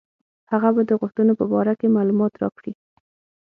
هغه به د غوښتنو په باره کې معلومات راکړي.